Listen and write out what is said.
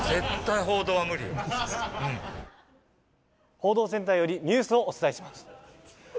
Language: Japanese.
報道センターよりニュースをお伝えします。